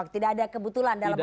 tidak ada kebetulan dalam